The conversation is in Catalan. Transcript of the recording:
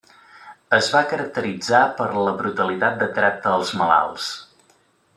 Es va caracteritzar per la brutalitat de tracte als malalts.